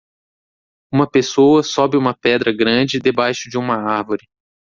Uma pessoa sobe uma pedra grande debaixo de uma árvore.